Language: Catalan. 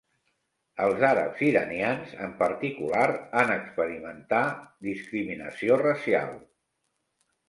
Els àrabs iranians en particular han experimentar discriminació racial.